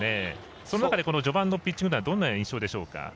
その中で序盤のピッチングというのはどんな印象でしょうか。